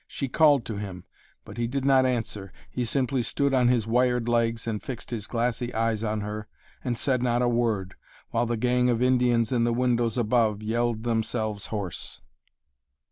She called to him, but he did not answer; he simply stood on his wired legs and fixed his glassy eyes on her, and said not a word while the gang of Indians in the windows above yelled themselves hoarse.